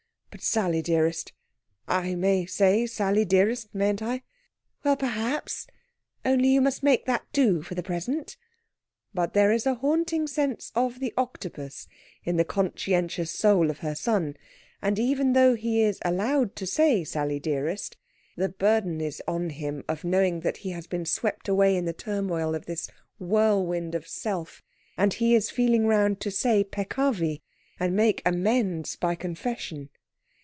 "But, Sally dearest I may say Sally dearest, mayn't I?..." "Well, perhaps. Only you must make that do for the present." But there is a haunting sense of the Octopus in the conscientious soul of her son, and even though he is allowed to say "Sally dearest," the burden is on him of knowing that he has been swept away in the turmoil of this whirlwind of self, and he is feeling round to say peccavi, and make amends by confession.